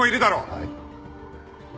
はい？